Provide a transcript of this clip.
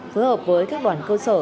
phối hợp với các đoàn cơ sở